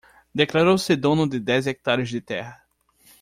Declarou ser dono de dez hequitares de terra